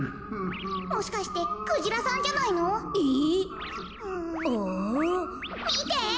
もしかしてクジラさんじゃないの？え？あ？みて！